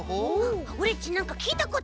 オレっちなんかきいたことある。